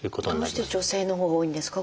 どうして女性のほうが多いんですか？